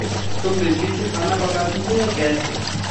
तुम बिजली से खाना पकाती हो या गैस से?